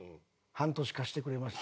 半年貸してくれた？